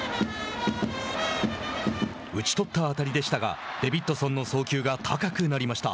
打ち取った当たりでしたがデビッドソンの送球が高くなりました。